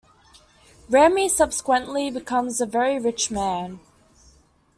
Ramey subsequently becomes a very rich man.